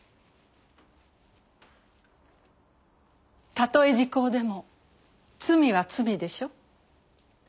たとえ時効でも罪は罪でしょ？